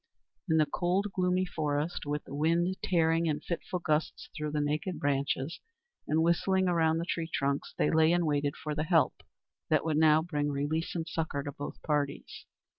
In the cold, gloomy forest, with the wind tearing in fitful gusts through the naked branches and whistling round the tree trunks, they lay and waited for the help that would now bring release and succour to both parties.